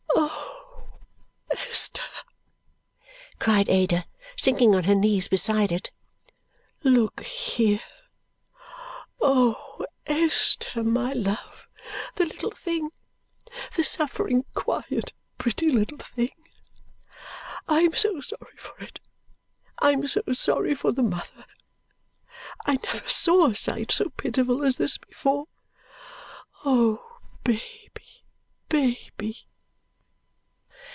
"Oh, Esther!" cried Ada, sinking on her knees beside it. "Look here! Oh, Esther, my love, the little thing! The suffering, quiet, pretty little thing! I am so sorry for it. I am so sorry for the mother. I never saw a sight so pitiful as this before! Oh, baby, baby!"